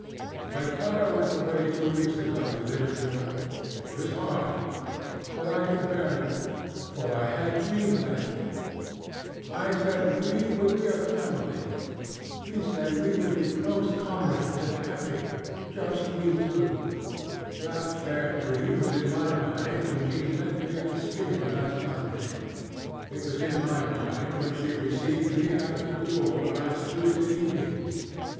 When Clara went away two weeks ago to live in Europe, it was hard, but I could bear it, for I had Jean left. I said we would be a family. We said we would be close comrades and happyŌĆöjust we two. That fair dream was in my mind when Jean met me at the steamer last Monday; it was in my mind when she received me at the door last Tuesday evening.